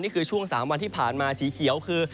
ช่วง๓วันที่ผ่านมาสีเขียวคือ